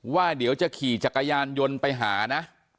ว่าเดี๋ยวจะขี่จักรยานยนต์ไปหานะ